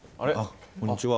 こんにちは。